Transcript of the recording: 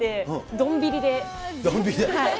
どんびりで。